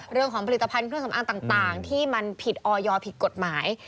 เรื่องของผลิตภัณฑ์เครื่องสำอางต่างที่มันผิดออยผิดกฎหมาย